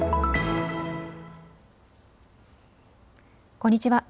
こんにちは。